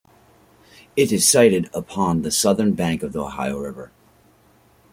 It is sited upon the southern bank of the Ohio River.